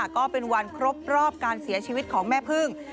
ก็เป็นวันครบรอบการเสียชีวิตของแม่พึ่ง